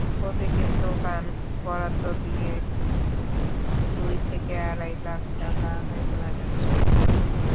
প্রতিটি দোকান বরাদ্দ দিয়ে দুই থেকে আড়াই লাখ টাকা আদায় করা হচ্ছে।